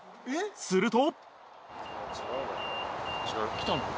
すると。